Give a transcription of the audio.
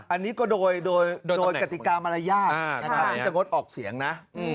อันนี้ก็โดยกติกามารยาทที่จะงดออกเสียงนะ